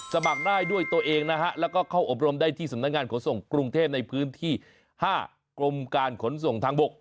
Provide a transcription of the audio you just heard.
สมัครได้ด้วยตัวเองนะฮะแล้วก็เข้าอบรมได้ที่สำนักงานขนส่งกรุงเทพในพื้นที่๕กรมการขนส่งทางบก